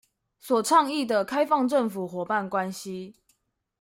所倡議的開放政府夥伴關係